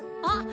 あ！